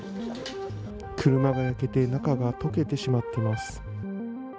車で焼けて、中が溶けてしまっています。